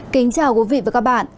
kính chào quý vị và các bạn